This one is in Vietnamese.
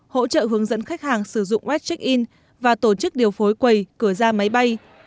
hỗ trợ hướng dẫn khách hàng sử dụng west check in và tổ chức điều phối quầy cửa ra máy bay